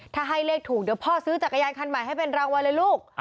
ถ้าให้เลขถูกเดี๋ยวพ่อซื้อจักรยานคันใหม่ให้เป็นรางวัลเลยลูก